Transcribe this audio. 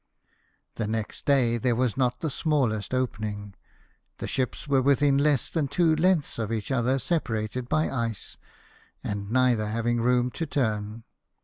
The next day there was not the smallest opening, the ships were within less than two lengths of each other, separated by ice, and neither having room to turn.